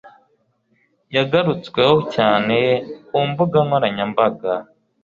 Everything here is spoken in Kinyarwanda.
yagarutsweho cyane ku mbuga nkoranyambaga